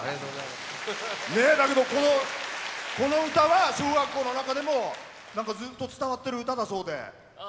この歌は小学校の中でもずっと伝わってる歌だそうで。